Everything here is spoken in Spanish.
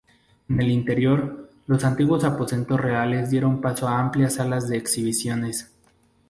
En el interior, los antiguos aposentos reales dieron paso a amplias salas de exhibiciones.